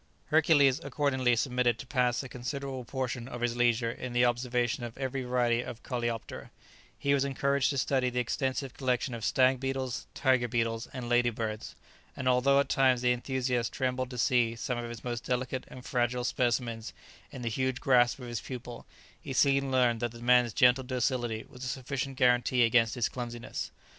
Hercules accordingly submitted to pass a considerable portion of his leisure in the observation of every variety of coleoptera; he was encouraged to study the extensive collection of stag beetles, tiger beetles and lady birds; and although at times the enthusiast trembled to see some of his most delicate and fragile specimens in the huge grasp of his pupil, he soon learned that the man's gentle docility was a sufficient guarantee against his clumsiness.